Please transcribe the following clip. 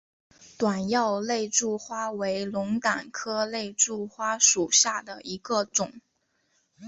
短药肋柱花为龙胆科肋柱花属下的一个种。